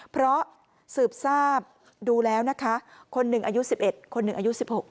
เพราะสืบทราบดูแล้วนะคะคนหนึ่งอายุ๑๑คนหนึ่งอายุ๑๖